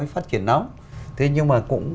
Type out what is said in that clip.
để phát triển nóng thế nhưng mà cũng